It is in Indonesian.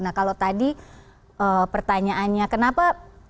nah kalau tadi pertanyaannya kenapa